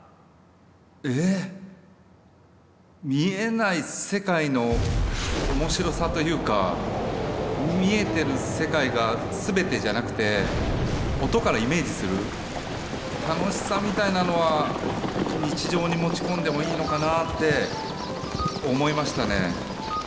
え見えない世界の面白さというか見えてる世界が全てじゃなくて音からイメージする楽しさみたいなのは日常に持ち込んでもいいのかなぁって思いましたね。